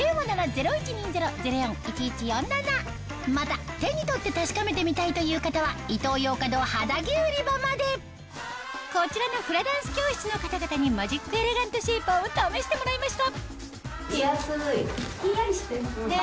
また手に取って確かめてみたいという方はこちらのフラダンス教室の方々にマジックエレガントシェイパーを試してもらいました